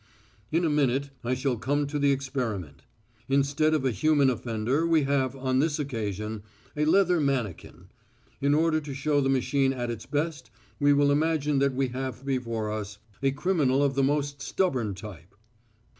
"In a minute I shall come to the experiment. Instead of a human offender we have, on this occasion, a leather mannikin. In order to show the machine at its best we will imagine that we have before us a criminal of the most stubborn type.